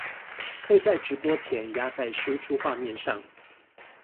會在直播前壓在輸出畫面上